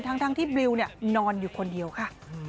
ทั้งที่บลิวนอนอยู่คนเดียวค่ะ